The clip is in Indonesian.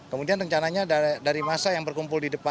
kemudian rencananya dari masa yang berkumpul di depan